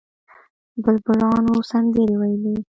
بلبلانو سندرې ویلې.